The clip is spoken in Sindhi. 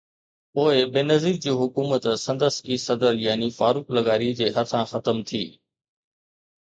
پوءِ بينظير جي حڪومت سندس ئي صدر يعني فاروق لغاري جي هٿان ختم ٿي.